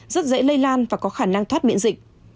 rất dễ lây lan và có khả năng thoát miễn dịch